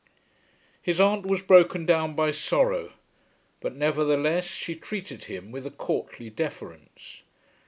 His aunt was broken down by sorrow, but nevertheless, she treated him with a courtly deference.